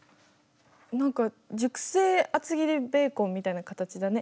何か熟成厚切りベーコンみたいな形だね。